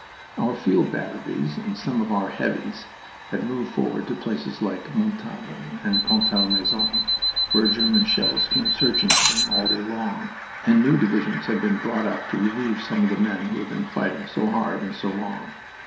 Our field batteries, and some of our "heavies," had moved forward to places like Montauban and Contalmaison where German shells came searching for them all day long and new divisions had been brought up to relieve some of the men who had been fighting so hard and so long.